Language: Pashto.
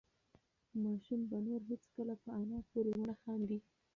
ماشوم به نور هېڅکله په انا پورې ونه خاندي.